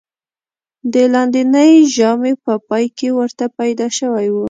د لاندېنۍ ژامې په پای کې ورته پیدا شوی و.